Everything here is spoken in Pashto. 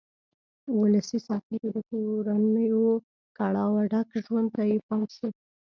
ولسي سرتېرو د کورنیو کړاوه ډک ژوند ته یې پام شو.